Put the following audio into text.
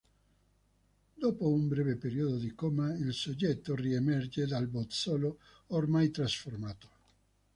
Dopo un breve periodo di coma il soggetto riemerge dal bozzolo ormai trasformato.